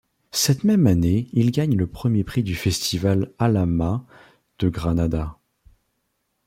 Cette même année il gagne le premier prix du festival Alhama de Granada.